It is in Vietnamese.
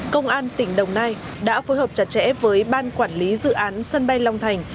công an tỉnh đồng nai đã phối hợp chặt chẽ với ban quản lý dự án sân bay long thành